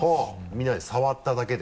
見ないで触っただけで？